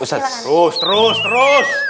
ustadz terus terus terus